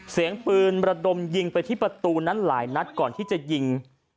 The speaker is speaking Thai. เสียงปืนระดมยิงไปที่ประตูนั้นหลายนัดก่อนที่จะยิง